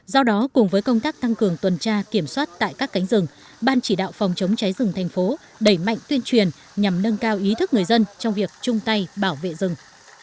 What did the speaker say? do đó cùng với công tác tăng cường tuần tra kiểm soát tại các cánh rừng ban chỉ đạo phòng chống cháy rừng thành phố đẩy mạnh tuyên truyền nhằm nâng cao ý thức người dân trong việc chung tay bảo vệ rừng